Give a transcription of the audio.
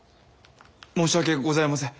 申し訳ございません。